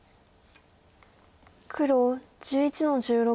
黒１１の十六。